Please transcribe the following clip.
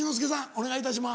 お願いいたします。